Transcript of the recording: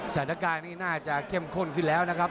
สถานการณ์นี้น่าจะเข้มข้นขึ้นแล้วนะครับ